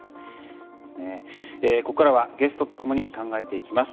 ここからはゲストとともに考えていきます。